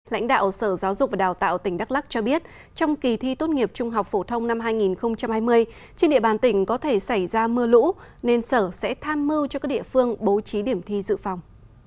lãnh đạo sở giáo dục và đào tạo tỉnh đắk lắc cho biết trong kỳ thi tốt nghiệp trung học phổ thông năm hai nghìn hai mươi trên địa bàn tỉnh có thể xảy ra mưa lũ nên sở sẽ tham mưu cho các địa phương bố trí điểm thi dự phòng